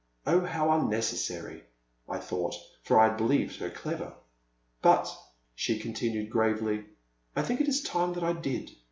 Oh, how unnecessary !I thought, for I had believed her clever. But, she continued, gravely, I think it is time that I did.